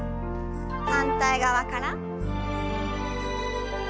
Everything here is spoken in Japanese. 反対側から。